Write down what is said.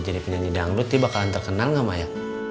jadi penyanyi dangdut ini bakalan terkenal gak maya